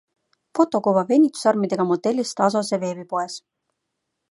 Fotokuva venitusarmidega modellist Asose veebipoes.